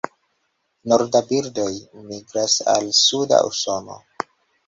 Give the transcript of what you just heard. Nordaj birdoj migras al suda Usono.